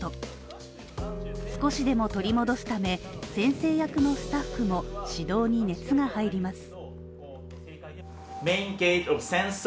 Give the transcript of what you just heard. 少しでも取り戻すため、先生役のスタッフも指導に熱が入ります。